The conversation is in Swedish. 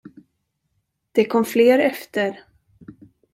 Det kom fler efter.